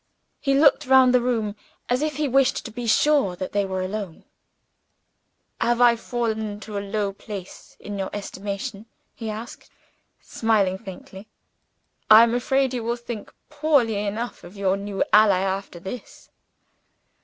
He looked round the room, as if he wished to be sure that they were alone. "Have I fallen to a low place in your estimation?" he asked, smiling faintly. "I am afraid you will think poorly enough of your new ally, after this?"